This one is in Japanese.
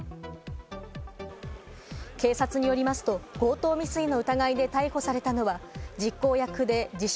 警察によりますと、強盗未遂の疑いで逮捕されたのは、実行役で自称